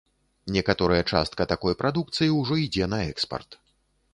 Некаторая частка такой прадукцыі ўжо ідзе на экспарт.